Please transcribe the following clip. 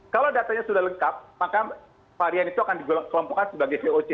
kalau datanya sudah lengkap maka varian itu akan dikelompokkan sebagai voc